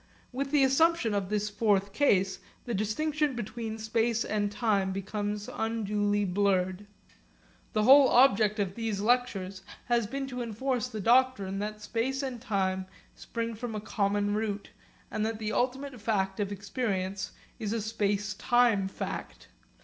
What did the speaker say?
With the assumption of this fourth case the distinction between space and time becomes unduly blurred. The whole object of these lectures has been to enforce the doctrine that space and time spring from a common root, and that the ultimate fact of experience is a space time fact.